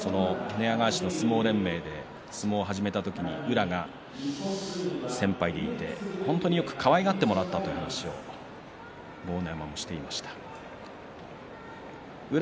寝屋川市の相撲連盟で相撲を始めた時に宇良が先輩でいて本当によくかわいがってもらったということを話しています